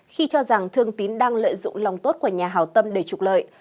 khi cho rằng thương tín đang lợi dụng lòng tốt của nhà hào tâm để trục lợi